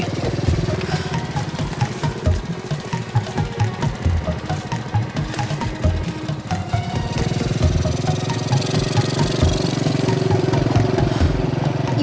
sama ke rumah sopi